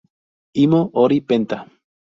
Imo Hori Penta